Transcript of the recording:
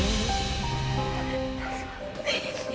itu pasti salah